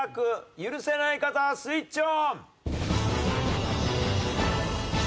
許せない方スイッチオン！